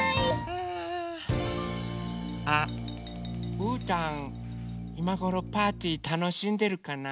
あっうーたんいまごろパーティーたのしんでるかな？